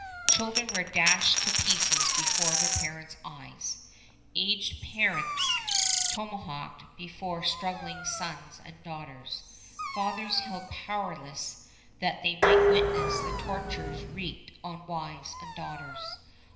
Children were dashed to pieces before their parents' eyes; aged parents tomahawked before struggling sons and daughters; fathers held powerless that they might witness the tortures wreaked on wives and daughters.